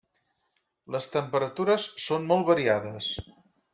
Les temperatures són molt variades.